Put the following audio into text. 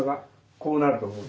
こうなると思う。